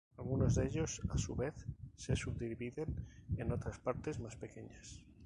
Algunos de ellos, a su vez, se subdividen en otras partes más pequeñas.